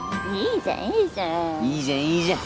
いいじゃんいいじゃん。